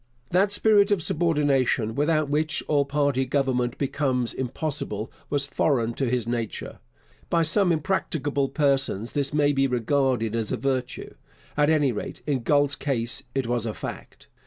That spirit of subordination without which all party government becomes impossible was foreign to his nature. By some impracticable persons this may be regarded as a virtue. At any rate, in Galt's case it was a fact.